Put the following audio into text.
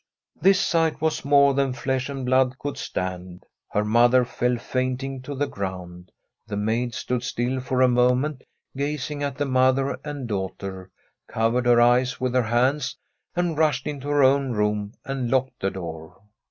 This sight was more than flesh and blood could stand. Her mother fell fainting to the ground ; the maid stood still for a moment, gazing at the mother and danghter, covered her eyes with her hands, and rushed into her own room and locked the door.